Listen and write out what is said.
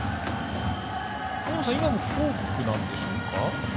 今もフォークなんでしょうか？